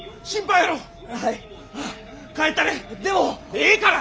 ええから！